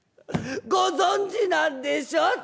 ご存じなんでしょ？』